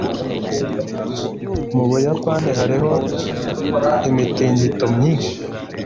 Mu Buyapani Hariho imitingito myinshi.